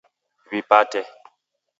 Wipate